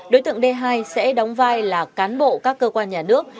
đối tượng d hai sẽ đóng vai là cán bộ các cơ quan nhà nước